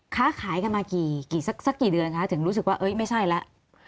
ค้าขายกันมากี่สักกี่เดือนคะถึงรู้สึกว่าไม่ใช่แล้ว